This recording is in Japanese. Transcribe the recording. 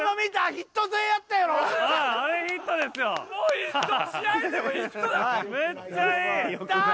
いったー！